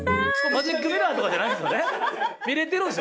マジックミラーとかじゃないんですよね？